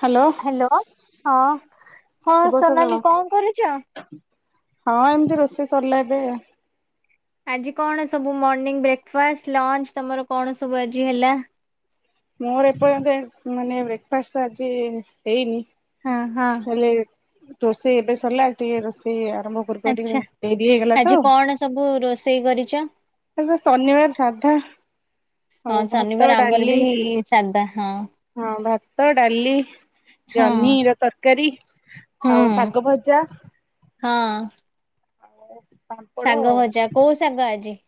Hello. Hello ହଁ ହଁ ଶୁଭ ସକାଳ। ସୋନାଲି କଁ କରୁଚ? ହଁ ଏମିତି ରୋଷେଇ ସରିଲା ଏବେ। ଆଜି କଣ ସବୁ ମର୍ଣିଂ ବ୍ରେକ୍ଫାଷ୍ଟ ଲଞ୍ଚ ତମର କଣ ସବୁ ଆଜି ହେଲା? ମୋର ଏପର୍ଯ୍ୟନ୍ତ ମାନେ ବ୍ରେକ୍ଫାଷ୍ଟ ଆଜି ହେଇନି ହଁ ହଁ। ହେଲେ ରୋଷେଇ ଏବେ ସରିଲା ଟିକେ ରୋଷେଇ ଆରମ୍ଭ ପୂର୍ବରୁ ଟିକେ ଆଚ୍ଛା ଡେରି ହେଇଗଲା ତ। ଆଜି କଣ ସବୁ ରୋଷେଇ କରିଚ? ଏବେ ଶନିବାରେ ସାଧା। ହଉ ହଁ ଭାତ ଶନିବାର ଆମର ଡାଲି ବି ସାଧା ହଁ ହଁ ଭାତ ଡାଲି ହଁ ଜହ୍ନିର ତରକାରୀ ହୁଁ। ଆଉ ଶାଗ ଭଜା ହଁ। ଆଉ ପାମ୍ପଡ଼ ଶାଗ ଆଉ। ଭଜା କୋଉ ଶାଗ ଆଜି?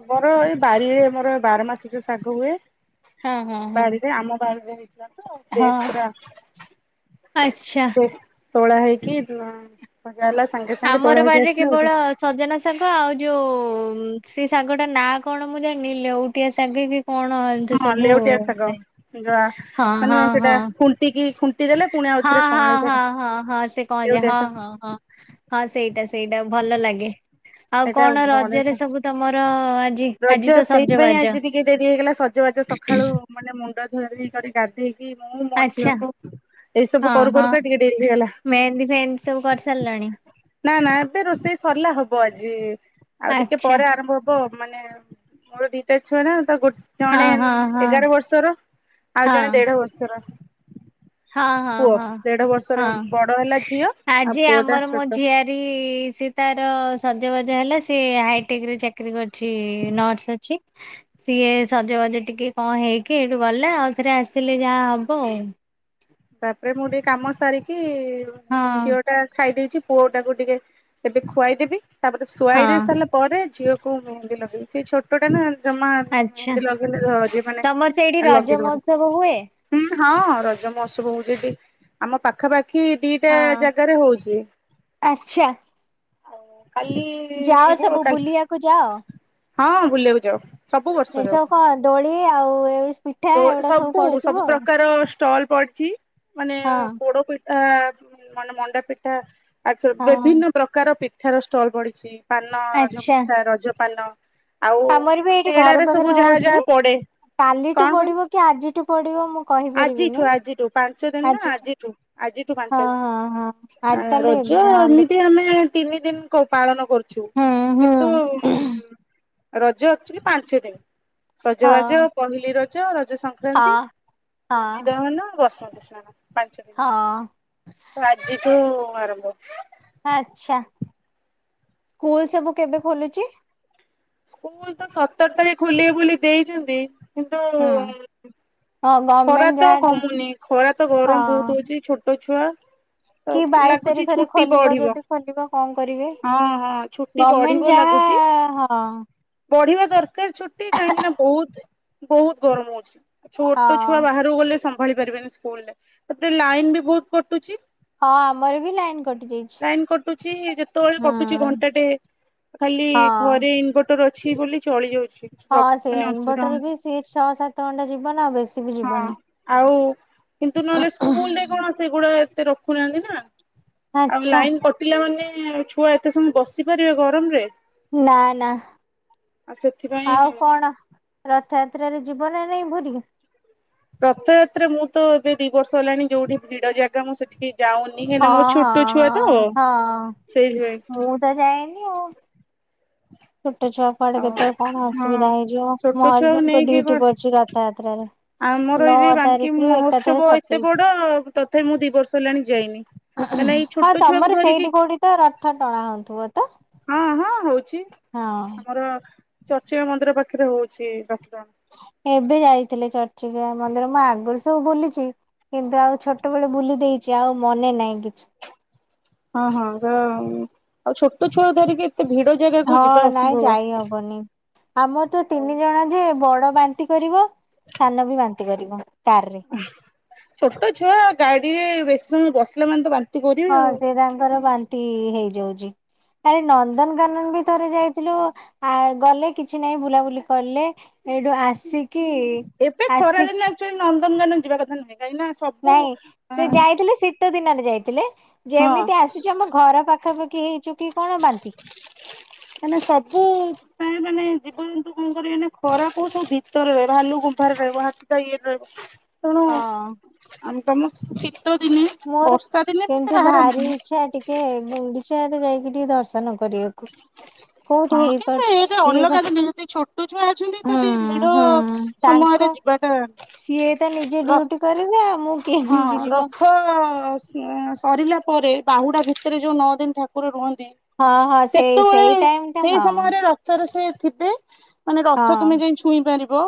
ଆମର ଏଇ ବାରିରେ ଆମର ବାର ମାସି ଯୋଉ ଶାଗ ହୁଏ ହଁ ହଁ ହଁ ବାଡ଼ିରେ ଆମ ବାଡ଼ିରେ ହେଇଥିଲାତ ହଁ ଫ୍ରେସ୍ ପୁରା ଆଚ୍ଛା। ସେ ତୋଳା ହେଇକି ଭଜାହେଲା ସାଙ୍ଗେ ସାଙ୍ଗେ ଆମର ତୋଳା ହେଇକି ବାଡିରେ ଆସିଲା କେବଳ ଭଜା ସଜନା ଶାଗ ଆଉ ଯୋଉ ସେଶାଗଟା ନା କଣ ମୁଁ ଜାଣିନି ଲେଉଟିଆ ଶାଗକି ହଁ ଲେଉଟିଆ ଶାଗ ଯ ହଁ ହଁ ମାନେ ହଁ ସେଟା ଖୁଣ୍ଟିକି ଖୁଣ୍ଟି ଦେଲେ ପୁଣି ହଁ ଆଉଥରେ ହଁ କଅଁଳେ ହଁ ସେଟା ହଁ ହଁ ସେ କଣ ଯେ ଲେଉଟିଆ ହଁ ଶାଗ ହଁ ହଁ। ହଁ ସେଇଟା ସେଇଟା ଭଲ ଲାଗେ। ଆଉ ଏଇଟା କଣ କଅଁଳେ ରଜରେ ଶାଗ। ସବୁ ତମର ଆଜି ଆଜିତ ସଜ ବାଜ ସଜ ବାଜ ସକାଳୁ ମାନେ ମୁଣ୍ଡ ଧୋଆ ଧୋଇ କରିକି ଗାଧେଇକି ମୁଁ ମୋ ଆଚ୍ଛା ଝିଅକୁ ଏଇ ସବୁ ହଁ କରୁ ହଁ କରୁକା ଟିକେ ଡେରି ହେଲା ମେହେନ୍ଦୀ ଫେହେନ୍ଦୀ ସବୁ କରିସାରିଲଣି? ନା ନା ଏବେ ରୋଷେଇ ସରିଲା ହବ ଆଜି ଆଉ ଟିକେ ଆଚ୍ଛା ପରେ ଆରମ୍ଭ ହ ବ ମାନେ ମୋର ଦିଟା ଛୁଆନା ତ ଗୋ ଜଣେ ହଁ ହଁ ହଁ ଏଗାର ବର୍ଷର ଆଉ ହଁ ଜଣେ ଦେଢ ବର୍ଷର ହଁ ହଁ ପୁଅ ହଁ ଦେଢ ବର୍ଷର ହଁ ବଡ଼ ହେଲା ଝିଅ ଆଉ ପୁଅଟା ଛୋଟ। ସି ସିଏ ତାର ସଜବାଜ ହେଲା ସିଏ ହାଇଟେକରେ ଚାକିରୀ କରିଚି ନର୍ସ ଅଛି ସିଏ ସଜବାଜ ଟିକେ କଁ ହେଇକି ଏଇଠୁ ଗଲା ଆଉ ଥରେ ଆସିଲେ ଯାହା ହବ ଆଉ। [inaudible] ତାପରେ ମୁଁ ଟିକେ କାମ ସାରିକି ହଁ ଝିଅ ା ଖାଇ ଦେଇଚି ପୁଅ ଟାକୁ ଟିକେ ଏବେ ଖୁଆଇଦେବି ତାପରେ ହଁ ଶୁଆଇ ଦେଇ ସାରିଲା ପରେ ଝିଅକୁ ମେହେନ୍ଦୀ ଲଗେଇବି ସିଏ ଛୋଟଟାନା ଜମା ଆଚ୍ଛା ମେହେନ୍ଦି ଲଗେଇଲେ ଇଏମାନେ ତମର ସେଇଠି ଆଉ ରଜ ମହୋତ୍ସବ ହୁଏ? ଲଗେଇଦବନି। ହୁଁ ହଁ ରଜ ମହୋତ୍ସବ ହଉଚି ଆମ ପାଖାପାଖି ଦିଟା ହଁ ଜାଗାରେ ହଉଚି। ଆଚ୍ଛା ଆଉ କାଲି ଯାଅ ଯିବୁ ସବୁ କାଲି ବୁଲିବାକୁ ଯାଅ। ହଁ ବୁଲିବାକୁ ଯାଉ। ସବୁ ବର୍ଷ ଏଠି ଯାଉ ସବୁ କଣ ଦୋଳି ଆଉ ଏ ପିଠା ଏଗୁଡା ସବୁ ପଡୁଥିବ ସବୁ ଆଉ। ପ୍ରକାର ଷ୍ଟଲ୍ ପ ଚି ମାନେ ହଁ ପୋଡ଼ ପିଠା ମାନେ ମଣ୍ଡା ପିଠା ଆଚ୍ଛା ହଁ ବିଭିନ୍ନ ପ୍ରକାର ପିଠାର ଷ୍ଟଲ୍ ବଢିଚି ପାନ ରଜ ଆଚ୍ଛା ମିଠା ରଜ ପାନ ଆଉ ଆମର ବି ଏଇଠି ଘର ମେଳାରେ ପାଖରେ ସବୁ ଯାହା ହଉଛି। ଯାହା ପଡ଼େ କାଲିଠୁ ପଡିବ କି ଆଜିଠୁ ପଡିବ ମୁଁ ଆଜିଠୁ କହିପାରିବିନି? ଆଜିଠୁ ପାଞ୍ଚ ଦିନ ନା ଆଜିଠୁ ଆଜିଠୁ ହଁ ପାଞ୍ଚ ହଁ ହଁ ଆଜି ଦିନ ତାହେଲେ ରଜ ଆ ଏଗା- ଏମିତି ଏ ଆମେ ତିନି ଦିନ କ ପାଳନ କରୁଛୁ ହୁଁ ହୁଁ କିନ୍ତୁ ରଜ ଆଚୂଆଲି ପାଞ୍ଚ ଦିନ। ହଁ ସଜବାଜ ହଁ ପହିଲି ରଜ ରଜ ସଂକ୍ରାନ୍ତି ହଁ ଭୂମି ଦହନ ବ ବସ୍ତି ସ୍ନାନ ପାଞ୍ଚ ଦିନି ହଁ ତ ଆଜି ଠୁ ଆରମ୍ଭ। ଆଛା ସ୍କୁଲ ସବୁ କେବେ ଖୋଲୁଛି? ସ୍କୁଲ ତ ସତର ତାରିଖ ଖୋଲ ବୋଲି ଦେଇଛନ୍ତି କିନ୍ତୁ ହୁଁ ହଁ ଖରା ଗଭର୍ଣମେଣ୍ଟ ତ ଯାହା କମୁନି ଖରା ତ ଗରମ ହଁ ବହୁତ ହଉଛି ଛୋଟ ଛୁଆ ତ କି ବାଇଶି ଲାଗୁଛି ତାରିଖରେ ଛୁଟି ଖୋଲିବ ବଢିବ ଯଦି ଖୋଲିବ କ କରିବେ ହଁ ହଁ ଛୁଟି ବଢିବ ଗମେଣ୍ଟ ଲାଗୁଛି ଯାହା ହଁ। ବଢିବା ଦରକାର ଛୁଟି କାହିଁକି ନା ବହୁତ ବହୁତ ଗରମ ହଉଛି। ଛୁ ଛୋଟ ଛୁଆ ହଁ ବାହାରକୁ ଗଲେ ସମ୍ଭାଳି ପାରିବେନି ସ୍କୁଲରେ ତାପରେ ଲାଇନ ବି ବହୁତ କଟୁଛି ହଁ ଆମର ବି ଲାଇନ କଟି ଯାଇଛି। ଲାଇନ୍ କଟୁଛି ଯେତେବେଳେ ହୁଁ କଟୁଛି ଘଣ୍ଟା ଟେ ଖାଲି ହଁ। ଘରେ ଇନଭଟର ଅଛି ବୋଲି ଚଳି ଯାଉଛି। ହଁ ସେଇଆ ମାନେ ଅସୁବିଧା ଇନଭର୍ଟର ହଉନି ବି ସିଏ ଛଅ ସାତ ଘଣ୍ଟା ଯିବ ନା ବେଶ ହଁ ଆଉ କିନ୍ତୁ ନହେଲେ ସ୍କୁଲ ରେ କଣ ସେଗୁଡା ଏତେ ରଖୁନାହାନ୍ତି ନା ଆଉ ଆଚ୍ଛା ଲାଇନ୍ କ୍ ପିଲାମାନେ ଛୁଆ ଏତେ ସମୟ ବସି ପାରିବେ ଗରମ ରେ? ନା ନା ଆଉ ସେଥିପାଇଁ କଣ? ରଥଯାତ୍ରାରେ ଯିବ ନା ନାଇଁ ଭୂରି? ରଥଯାତ୍ରା ମୁଁ ତ ଏବେ ଦି ବର୍ଷ ହେଲାଣି ଯୋଉଠି ଭିଡ ଜାଗା ମୁଁ ସେଠିକି ଯାଉ ନି ହେନା ହଁ ମୋ ହଁ ଛୋଟ ଛୁଆ ତ ହଁ ହଁ ସେଇଥିପାଇଁ। ମୁଁ ତ ଯାଏନି ଆଉ। ହ ଛୋଟ ଛୁଆ କୁଆଡେ କେତେବେଳେ କଣ ଅସୁବିଧା ହେଇଯିବ ଛୋଟ ମୋ ଛୁଆକୁ ହଜବେଣ୍ଡ ଙ୍କ ନେଇକି ଡୁୟୁଟି କଣ ପଡିଛି ରଥଯାତ୍ରାରେ। ଆମର ଏଇଠି ନଅ ବାଙ୍କି ତାରିଖରୁ ଏକାଥରେ ମହୋତ୍ସବ ଏତେ ସତେଇଶ। ବଡ ତଥାପି ମୁଁ ଦି ବର୍ଷ ହେଲାଣି ଯାଇନି। କାହିଁକିନା ଏଇ ହଁ ଛୋଟ ଛୁଆକୁ ତମର ଧରିକି ସେଇଠି କୋଉଠି ତ ରଥ ଟଣା ହଉଥିବ ତ? ହଁ ହଁ ହଉଛି। ହଁ। ଆମର ଚର୍ଚ୍ଚି ମା ମନ୍ଦିର ପାଖରେ ହଉଛି ରଥଟଣା। ଏବେ ଯାଇଥିଲେ ଚର୍ଚିକା ମନ୍ଦିର ମୁଁ ଆଗରୁ ସବୁ ବୁଲିଛି। କିନ୍ତୁ ଆଉ ଛୋଟବେଳେ ବୁଲି ଦେଇଛି ଆଉ ମନେ ନାହିଁ କିଛି। ହଁ ହଁ ଗ ଆଉ ଛୋଟ ଛୁଆ ଧରିକି ଏତେ ଭିଡ ଜାଗାକୁ ହଁ ଯିବା ନାଇଁ ଅସମ୍ଭବ। ଯାଇହବନି ଆମର ତ ତିନି ଜଣ ଯେ ବଡ ବାନ୍ତି କରିବ ସାନ ବି ବାନ୍ତି କରିବ କାରରେ ଛୋଟ ଛୁଆ ଗାଡି ରେ ବେଶୀ ସମୟ ବସିଲେ ମାନେ ତ ବା ହଁ ସେ ତାଙ୍କର ବାନ୍ତି ହେଇଯାଉଛି। କାଇ ନନ୍ଦନକାନନ ବି ଥରେ ଯାଇଥିଲୁ ଆ ଗଲେ କିଛି ନାହିଁ ବୁଲାବୁଲି କଲେ ଏଇଠୁ ଆସି ଏବେ ଖରାଦିନ ଆକଚୁଅଲି ନନ୍ଦନକାନନ ଯିବା କଥା ନୁହେ କାହିଁକି ନା ସବ ନାଇଁ ସେ ଯାଇଥିଲେ ଶୀତ ଦିନରେ ଯାଇଥିଲେ ହଁ ଯେମିତି ଆସିଛୁ ଆମ ଘର ପାଖାପାଖି ହେଇଛୁ କି କଣ ବାନ୍ତି। ମାନେ ସବୁ ପ୍ରାଣୀ ମାନେ ଜୀବଜନ୍ତୁ କଣ କରିବେ ନେ ଖରା କୁ ସବୁ ଭିତରେ ରହିବେ ଭାଲୁ ଗୁମ୍ଫାରେ ରହିବ ହାତୀ ତା ଇଏରେ ରହିବ। ତେଣୁ ହଁ। ଆମ ତମ [inaudible] ଶୀତ ଦିନେ ମୋର ବର୍ଷା ଦିନେ ବି କିନ୍ତୁ ଏତେ ଭାରି ବାହାରନ୍ତିନି ଇଚ୍ଛା ଟିକେ ଗୁଣ୍ଡିଚା ଆଡେ ଯାଇକି ଟିକେ ଦର୍ଶନ କରିବାକୁ କୋଉଠି ହଁ କିନ୍ତୁ ହେଇପାରୁଛି ଏଟା ସିଏ ଅଲଗା ତ ଦିନ ଯଦି ଛୋଟ ଛୁଆ ଅଛନ୍ତି ହୁଁ ତାହେଲେ ଭିଡ ହୁଁ ସମୟରେ ତାଙ୍କ ଯିବାଟା ସିଏ ତ ନିଜେ ର ଡ୍ୟୁଟି କରିବେ ଆଉ ମୁଁ କିଏ ହଁ ନେଇକି ର ଯିବ। ଥ ସରିଲା ପରେ ବାହୁଡା ଭିତରେ ଯୋଉ ନଅ ଦିନ ଠାକୁର ରୁହନ୍ତି ହଁ ହଁ ସେଇ ସେତେବେଳେ ସେଇ ଟାଇମ ଟା ସେଇ ହଁ ସମୟରେ ର ଥରେ ସେ ଥିବେ ମାନେ ହଁ ରଥ ତୁମେ ଯାଇ ଛୁଇଁ ପାରିବ।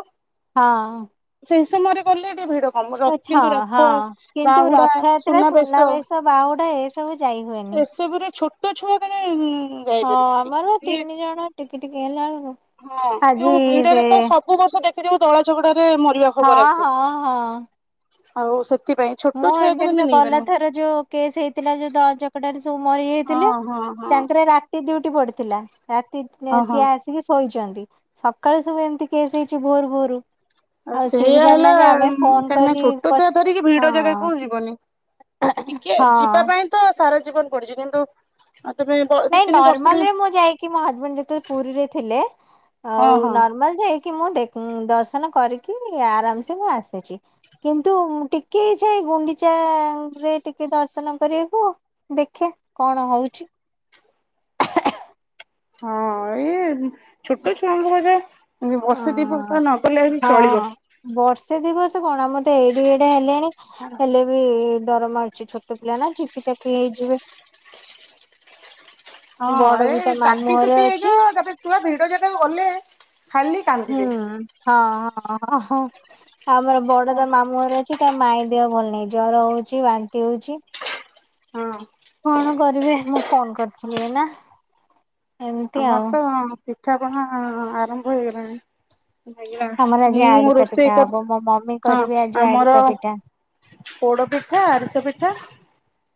ହଁ। ସେଇ ସମୟରେ ଗଲେ ଟିକେ ଭିଡ ମ ରଖ ଆଛା ରଥ ହଁ କିନ୍ତୁ ବାହୁଡା ରଥଯାତ୍ରା ସୁନା ବେଶ ସୁନାବେଶ ବାହୁଡା ଏସବୁ ଯାଇ ହୁଏନି। ଏସବୁରେ ଛୋଟ ଛୁଆ ମାନେ ହଁ ଆମର ତିନି ଜଣ ଟିକି ଟିକି ହେଲା ବେଳକୁ ହଁ ଏ ଆଜି ଯୋଉ ସେ ଭିଡରେ ତ ସ ସବୁ ବର୍ଷ ଦେଖିଥିବ ଦଳା ଚକଟା ରେ ମରିବା ହଁ ଖବର ଆସେ। ହଁ ହଁ ଆଉ ସେ ମୋ ହଜବେଣ୍ଡ ତ ଗଲା ଥର ଯୋଉ କେସ୍ ହେଇଥିଲା ଯୋଉ ଦଳ ଚକଟା ରେ ସବୁ ମରିଯାଇଥିଲେ ହଁ ହଁ ତାଙ୍କର ରାତି ଡିଉଟି ପଡିଥିଲା। ରାତି ହଁ ସିଏ ହଁ। ଆସିକି ଶୋଇଛନ୍ତି ସକାଳୁ ସବୁ ଏମିତି କେସ୍ ହେଇଛି ଭୋରୁ ଭୋରୁ। ଆଉ ସିଏ ବି ସେଇଆ ହେଲା ଜାଣିନାହାନ୍ତି ଆମେ ଫୋନ କାହିଁକି ନା କରି ଛୋଟ ହଁ ଛୁଆ ଧରିକି ଭିଡ ଜାଗା କୁ ଯିବନି ଟିକେ ଯିବା ହଁ ପାଇଁ ତ ସାରା ଜୀବନ ପଡିଛି କିନ୍ତୁ ଆଉ ତେବେ ନାଇଁ ନର୍ମାଲ ରେ ମୁଁ ଯାଇକି ମୋ ହଜବେଣ୍ଡ ଯେତେବେଳେ ପୁରୀରେ ଥିଲେ ହଁ ଆଉ ହଁ ନର୍ମାଲ ଯାଇକି କି ମୁଁ ଦେଖ ଦର୍ଶନ କରିକି ଆରାମସେ ମୁଁ ଆସିଛି। କିନ୍ତୁ ଟିକେ ଇଚ୍ଛା ଗୁଣ୍ଡିଚାରେ ଟିକେ ଦର୍ଶନ କରିବାକୁ। ଦେଖିଆ କଣ ହଉଛି? ହଁ ଏଇ ଛୋଟ ଛୁଆମ କ ଯା [inaudible] ଏ ଅଁ ବର୍ଷେ ଦି ବର୍ଷ ନ ଗଲେବି ହଁ। ଚଳିବ। ବର୍ଷେ ଦିବର୍ଷ କଣ ଆମ ତେ ଏଡେ ଏଡେ ହେଲେଣି ହେଲେ ଡର ମାରୁଛି ଛୋଟ ପିଲା ନା ଚିପି ଚାପି ହେଇଯିବେ। ହଁ ବଡ ବି ତା ଏଇ ମାମୁଁ ଘରେ ଚାପିଚୁପି ଅଛି। ହେଇଯିବ ତାପରେ ଛୁଆ ଭିଡ ଜାଗା ଗଲେ ଖାଲି ହୁଁ କାନ୍ଦିବେ ହଁ ହଁ ଆମର ବଡ ତ ମାମୁଁଘର ଅଛି। ତା ମାଇଁ ଦେହ ଭଲ ନାହିଁ ଜ୍ଵର ହଉଛି ବାନ୍ତି ହଉଛି। ହଁ। କଣ କରିବେ? ମୁଁ ଫୋନ କରିଥିଲି ଏଇନା। ଏମିତି ଆମର ଆଉ। ତ ପିଠାପଣା ଆରମ୍ଭ ହେଇଗଲାଣି। କାହିଁକି ଆମର ନା ଆଜି ମୁଁ ଆଡିଶା ପିଠା ରୋଷେଇ ହବ କରଛି ମୋ ମମି ହଁ କରିବେ ଆଜି ଆଡିଶା ଆମର ପିଠା ପୋଡ ପିଠା ଆରିସା ପିଠା।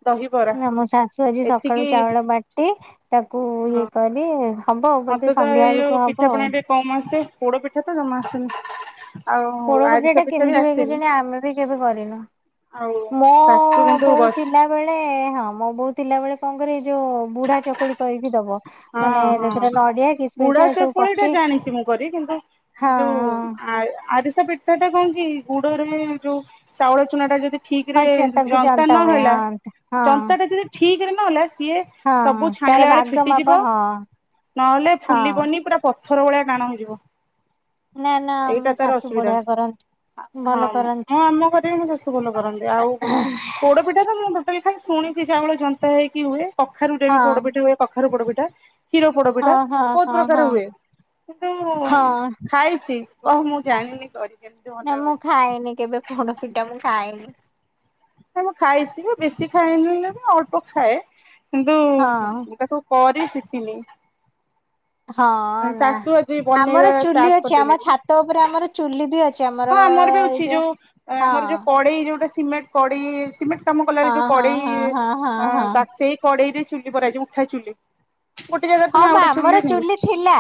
ଦହିବରା ନା ମୋ ଶାଶୁ ଆଜି ସକାଳୁ ଏତିକି ଚାଉଳ ବାଟି ତାକୁ ଇଏ ହଁ କରି ହବ ବୋଧେ ମତେ ତ ସନ୍ଧ୍ୟା ଏଇ ବେଳକୁ ଯୋଉ ହବ ଆଉ ପିଠାପଣା ଟିକେ କମ ଆସେ ପୋଡ ପିଠା ତ ଜମା ଆସିନି ପୋରପିଠା ଟା କେମିତି ବି କେଜାଣି ଆମେ ବି କେବେ କରିନୁ ଆଉ ମୋ ଶାଶୁ କିନ୍ତୁ ବୋଉ ବସ ଥିଲା ବେଳେ ହଁ ମୋ ବୋଉ ଥିଲା ବଳେ କଣ କରେ ଏଇ ଯୋଉ ବୁଢା ଚକୁଳି କରିକି ଦବ ହଁ ମାନେ ହଁ ସେଥିର ନଡିଆ ବୁଢା କିସମିସ ଏ ସବୁ ଚକୁଳି ଟା ପକେଇ ଜାଣିଛି ହଁ ହଁ ଆ ଆରିସା ପିଠା ଟା କଣ କି ଗୁଡ଼ ରେ ଯୋଉ ଚାଉଳ ଚୁନା ଟା ଯଦି ଠିକ୍ ରେ ହଁ ତାକୁ ଜନ୍ତା ହୁଏ ନହେଲା ହଁ ହଁ ଜନ୍ତା ଟା ଯଦି ଠିକ୍ ରେ ନହେଲା ସିଏ ହଁ ସବୁ ତାର ଛାଣିଲା ବେଳେ ଭାଗ ମାପ ଫିଟିଯିବ ହଁ। ନହେଲେ ହଁ ଫୁଲିବନି। ପୁରା ପଥର ଭଳିଆ ଟାଣ ହେଇଯିବ। ନା ଏଇଟା ନ ତାର ଶାଶୁ ଅସୁବିଧା ବଢ଼ିଆ କର ହଁ ମୁଁ ଆମ ଘରେ ମୋ ଶାଶୁ ଭଲ କରନ୍ତି ଆଉ ପୋଡ଼ପିଠା ତ ମୁଁ ଟୋଟାଲି ଖାଲି ଶୁଣିଛି ଚାଉଳ ଜନ୍ତା ହେଇକି ହୁଏ କଖାରୁରେ ବି ହଁ। ପୋଡ଼ପିଠା ହୁଏ। ଖାରୁ ପୋଡ଼ ପିଟା। କ୍ଷୀର ପୋଡ଼ପିଠା ହଁ ହଁ ବହୁତ ହଁ ପ୍ରକାର ହଁ ହୁଏ କିନ୍ତୁ ହଁ। ଖାଇଛି। ଓହୋ ମୁଁ ଜାଣିନି କରିି। ନା ମୁଁ ଖାଏନି କେବେ ପୋଡ଼ ଫିଟା ମୁଁ ଖାଏନି। ମୁଁ ଖାଇଛି ବେଶୀ ଖାଏନି ଅଳ୍ପ ଖାଏ କିନ୍ତୁ ହଁ। ତାକୁ କରି ଶିଖିନି। ହଁ ନା ଶାଶୁ ଆଜି ବନେଇବା ଆମର ଷ୍ଟାର୍ଟ ଚୁଲି ଅଛି ଆମ କରିଦେଲେଣି। ଛାତ ଉପରେ ଆମର ଚୁଲି ବି ଅ ହଁ ଆମର ବି ଅଛି ଯୋଉ ଆମର ଯୋଉ କଡ଼େଇ ଯୋଉଟା ସିମେଣ୍ଟ କଡ଼େଇ ସିମେଟ୍ କାମ କଲାରେ ହଁ ଯୋଉ ହଁ ହଁ କଡ଼େଇ ହଁ ହଁ ଆ ହଁ ତା ସେଇ କଡ଼େଇ ରେ ଚୁଲି ପରା ଜୀବ ଉଠା ଚୁଲି। ଗୋଟେ ଜାଗାରେ ହଁ ତମେ ଆଉ ବା ଗୋଟେ ଆମର ନେଇ ଚୁଲି ଥିଲା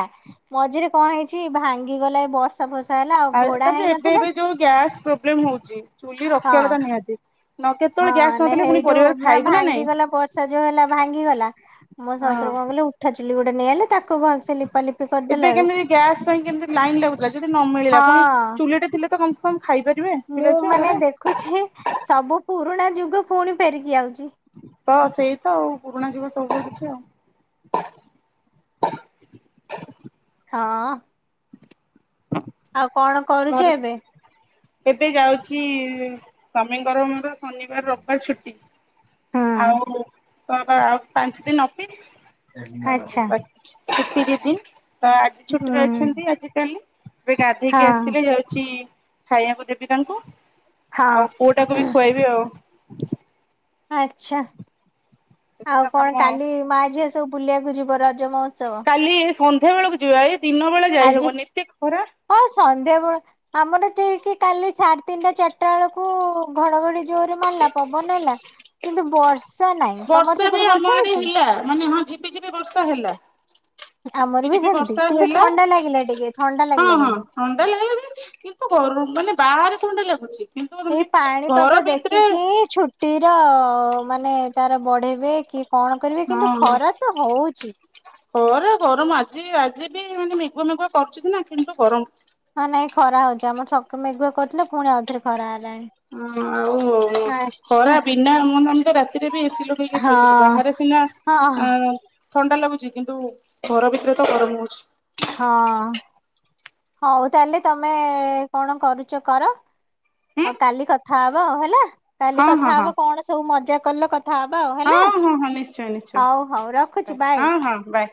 ମଝିରେ କଣ ହେଇଛି ଭାଙ୍ଗିଗଲା ଏ ବର୍ଷା ଫର୍ଷା ହେଲା ଆଉ ଆ ଘୋଡା ତାପରେ ଏବେ ହେଇନଥିଲା ଏବେ ଯୋଉ ଗ୍ୟାସ୍ ପ୍ରୋବ୍ଲେମ୍ ହଉଛି ଚୁଲି ହଁ। ରଖିବା କଥା ନିହାତି। ନ ହଁ କେତେବେଳେ ଗ୍ୟାସ୍ ନା ନଥିଲେ ପୁଣି ହେଇଠୁ ପରିବାର ନା ଖାଇବୁ ନାଇଁ ଭାଙ୍ଗିଗଲା ବର୍ଷା ଯୋଉ ହେଲା ଭାଙ୍ଗିଗଲା। ମୋ ହଁ ଶଶୁର କଣ କଲେ ଉଠା ଚୁଲି ଗୋଟେ ନେଇ ଆଇଲେ ତାକୁ ଭଲସେ ଲପାଲିପି ଏବେ କେମିତି ଗ୍ୟାସ୍ ପାଇଁ କେମିତି ଲାଇନ୍ ଲାଗୁଥିଲା ଯଦି ନ ମିଳିଲା ପୁଣି ହଁ ଚୁଲିଟେ ଥିଲେ ତ କମ୍ ସେ କଣ ଖାଇପାରିବେ? ମୁଁ ପିଲା ଛୁଆ ମାନେ ଘରେ ଦେଖୁଛି ସବୁ ପୁରୁଣା ଯୁଗ ପୁଣି ଫେରିକି ଆଉଛି। ତ ସେଇ ତ ଆଉ ପୁରୁଣା ଯୁଗ ସବୁୁ କିଛି ଆଉ। ହଁ ଆଉ କଣ କରୁଛ ଘରେ ଏବେ? ଏବେ ଯାଉଛି ସ୍ୱାମୀଙ୍କର ମୋର ଶନିବାର ରବିବାର ଛୁଟି ହୁଁ ଆଉ [unintelligible] ଆଉ ପାଞ୍ଚ ଦିନ୍ ଅଫିସ ଆଉ ଆଚ୍ଛା ବାକି ଛୁଟି ଦି ଦିନ। ତ ଆଜି ହୁଁ ଛୁଟିରେ ଅଛନ୍ତି ଆଜି କାଲି ଏବେ ଗାଧେଇକି ହଁ ଆସିଲି ଯାଉଛି ଖାଇବାକୁ ଦେବି ତାଙ୍କୁ ହଁ। ଆଉ ପୁଅଟାକୁ ବି ଖୁଆଇବି ଆଉ। ଆଚ୍ଛା ଏତିକି ଆଉ ତ କାମ କଣ କାଲି ମା ଝିଅ ସବ ଫୁଲିବାକୁ ଯିବ ରଜ ମହୋତ୍ସବ? କାଲି ସନ୍ଧ୍ୟା ବେଳକୁ ଯିବା ଏଇ ଦିନ ବେଳେ ଯାଇହବନ ଏତେ ଖରା। ହଉ ସନ୍ଧ୍ୟାବେେଳ ଆମର ଠିକି କାଲି ସାଢ଼େ ତିନିଟା ଚାରିଟା ବେଳକୁ ଘଡ଼ଘଡ଼ି ଜୋରେ ମାରିଲା ପବନ ହେଲା କିନ୍ତୁ ବର୍ସ ଖର୍ଷା ବି ଆମ ଆଡ଼େ ହେଲା ମାନେ ହଁ ଝିପିଝିିପି ବର୍ଷା ହେଲା। ଆମର ବି ବିଯିବି ସେମିତି ବର୍ଷା କିନ୍ତୁ ହେଲା ଥଣ୍ଡା ଲାଗିଲା ଟିକେ ଥଣ୍ଡା ହଁ ଲାଗିଲା ହଁ କିନ୍ତୁ। ଥଣ୍ଡା [unintelligible] ତ ଘରୁରୁ ମାନେ ବାହାରେ ଥଣ୍ଡା ଲାଗୁଛି। କିନ୍ତୁ ଏଇ ତମେ ପାଣିପାଗ ଘର ଭିତରେ ଦେଖିକି ଛୁ ଟିର ମାନେ ତାର ବଢ଼େଇବେ କି କଣ କରିବେ କିନ୍ତୁ ଖରା ତ ହଉଛି। ହରା ଗରମ ଆଜି ଆଜି ବି ମାନେ ମେଘୁଆ ମେଘୁଆ କରୁଚି ସିନା କିନ୍ତୁ ଗରମ୍ ହଁ ନାଇଁ ଖରା ହଉଛି ଆମର ସ ମେଗୁଆ କରିଥିଲେ ପୁଣି ଆଉଥରେ ଖରା ହେଲା। ହୁଁ ଆଉ ଖରା ଆଚ୍ଛା। ବିନା [unintelligible] ରାତିରେ ବି ଏସି ଲଗେଇକି ଶୋଇଥିଲୁ ହଁ ବାହାରେ ସିନା ହଁ ଆଁ ଥଣ୍ଡା ଲାଗୁଛି କିନ୍ତୁ ଘର ଭିତରେ ତ ଗରମ ହଉଛି। ହଁ ହୋଉ ତାହେଲେ ତମେ କଣ କରୁଚ କର। ଆଉ କାଲି କଥା ହବ ହେଲା କାଲି ହଁ ହଁ କଥା ହଁ ହବ କଣ ସବୁ ମଜା କଲ କ ଥା ହବା ଆଉ ହେଲା ହଁ ହଁ ହଁ ନିଶ୍ଚୟ ନିଶ୍ଚୟ ହଉ ହଉ ରଖୁଚି ବାଏ। ହଁ ହଁ ବାଏ।